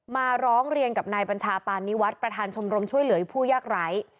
มาร้องเรียนกับนายบัญชาปานิวัฒน์ประธานชมรมช่วยเหลือผู้ยากไร้